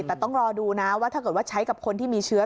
แต่ต้องรอดูนะว่าถ้าเกิดว่าใช้กับคนที่มีเชื้อ